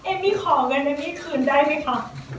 เอมมี่ขอเงินเอมมี่คืนได้ไหมคะ